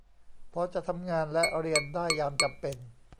พอจะทำงานและเรียนได้ยามจำเป็น